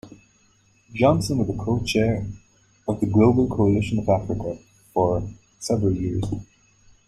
Johnson was the co-chair of the Global Coalition for Africa for several years.